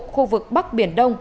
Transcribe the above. khu vực bắc biển đông